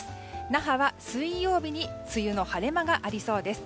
那覇は水曜日に梅雨の晴れ間がありそうです。